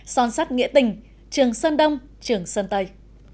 son sắt nghĩa tình trường sơn đông trường sơn tây